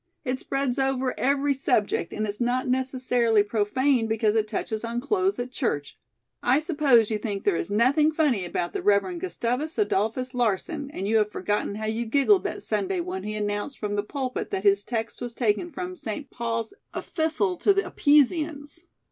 It spreads over every subject and it's not necessarily profane because it touches on clothes at church. I suppose you think there is nothing funny about the Reverend Gustavus Adolphus Larsen, and you have forgotten how you giggled that Sunday when he announced from the pulpit that his text was taken from St. Paul's 'Efistle to the Epeesians.'"